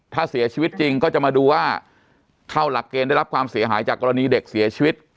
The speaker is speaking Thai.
ถ้าเสียชีวิตจริงก็จะมาดูว่าเข้าหลักเกณฑ์ได้รับความเสียหายจากกรณีเด็กเสียชีวิต